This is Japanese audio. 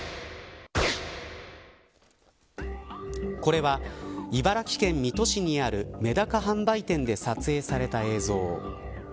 これは、茨城県水戸市にあるメダカ販売店で撮影された映像。